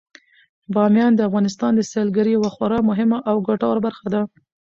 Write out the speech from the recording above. بامیان د افغانستان د سیلګرۍ یوه خورا مهمه او ګټوره برخه ده.